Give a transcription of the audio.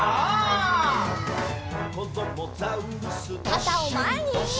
かたをまえに！